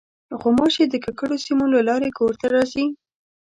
غوماشې د ککړو سیمو له لارې کور ته راځي.